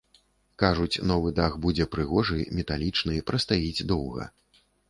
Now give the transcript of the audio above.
Кажуць, новы дах будзе прыгожы, металічны, прастаіць доўга.